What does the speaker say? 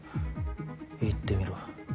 言ってみろ。